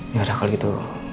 ya udah kalau gitu